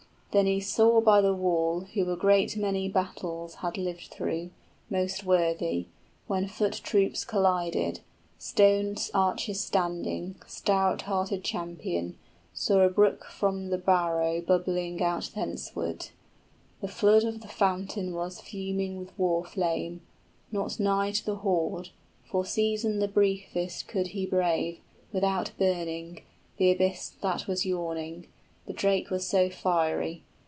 Then he saw by the wall who a great many battles 80 Had lived through, most worthy, when foot troops collided, {The place of strife is described.} Stone arches standing, stout hearted champion, Saw a brook from the barrow bubbling out thenceward: The flood of the fountain was fuming with war flame: Not nigh to the hoard, for season the briefest 85 Could he brave, without burning, the abyss that was yawning, The drake was so fiery.